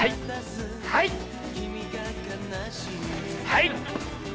はい！